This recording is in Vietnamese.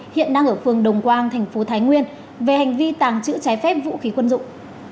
hiện đang ở phường đồng quang thành phố thái nguyên về hành vi tàng trữ trái phép vũ khí quân dụng